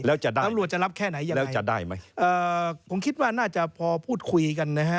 แล้วจะได้แล้วจะได้มั้ยผมคิดว่าน่าจะพอพูดคุยกันนะฮะ